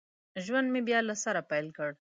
ژوند مې بیا له سره پیل کړ